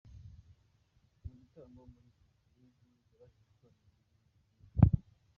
mu gitaramo muri iki gihugu yabashije gukorana indirimbo nuyu Munyanijeriya.